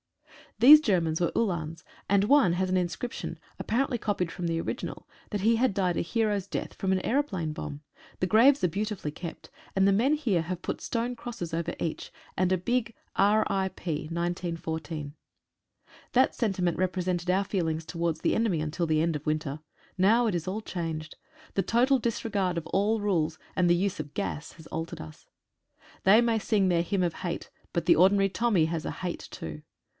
These Germans were Uhlans, and one has an in scription, apparently copied from the original, that he had died a hero's death, from an aeroplane bomb. The graves are beautifully kept, and the men here have put stone crosses over each, and a big R. I. P. 1914. That sentiment represented our feelings towards the enemy until the end of the winter — now it is all changed. The total disregard of all rules, and the use of gas has altered us. They may sing their Hymn of Hate, but the ordinary Tommy has a Hate too.